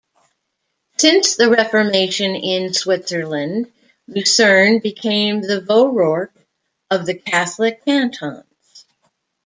Since the Reformation in Switzerland, Lucerne became the Vorort of the Catholic cantons.